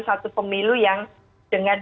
satu pemilu yang dengan